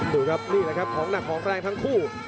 ดูครับนี่แหละครับของหนักของแรงทั้งคู่